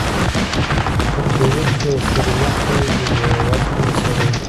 په ټي وي کښې يو سورمخى بيزو وزمه سړى.